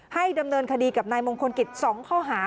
ดำเนินคดีกับนายมงคลกิจ๒ข้อหา